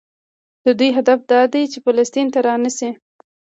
د دوی هدف دا دی چې فلسطین ته رانشي.